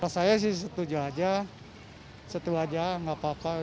saya sih setuju aja setuju aja nggak apa apa